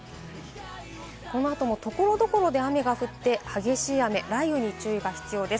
この後も所々で雨が降って、激しい雨、雷雨に注意が必要です。